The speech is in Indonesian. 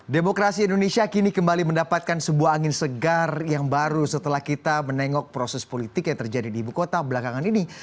demokrasi indonesia kini kembali mendapatkan sebuah angin segar yang baru setelah kita menengok proses politik yang terjadi di ibu kota belakangan ini